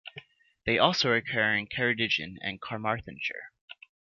They also occur in Ceredigion and Carmarthenshire.